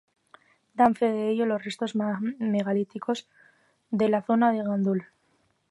Dan fe de ello los restos megalíticos de la zona de Gandul.